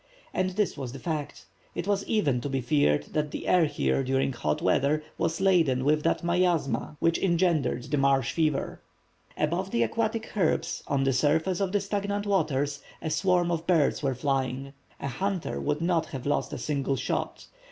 And this was the fact. It was even to be feared that the air here during hot weather, was laden with that miasma which engenders the marsh fever. Above the aquatic herbs on the surface of the stagnant waters, a swarm of birds were flying. A hunter would not have lost a single shot.